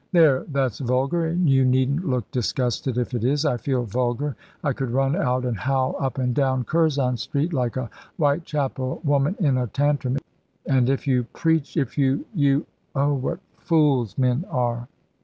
There, that's vulgar, and you needn't look disgusted if it is. I feel vulgar. I could run out and howl up and down Curzon Street like a Whitechapel woman in a tantrum. And if you preach, if you you Oh, what fools men are!"